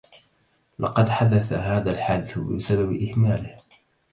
لقد حدث هذا الحادث بسبب إهماله